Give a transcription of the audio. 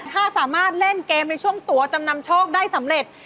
ถ้าสามารถเล่นเกมในช่วงตัวจำนำโชคได้สำเร็จ